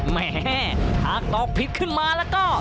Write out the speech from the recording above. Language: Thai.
แหมหากตอบผิดขึ้นมาแล้วก็